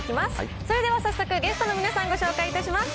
それでは早速ゲストの皆さん、ご紹介いたします。